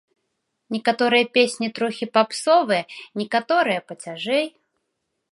Некаторыя песні трохі папсовыя, некаторыя пацяжэй.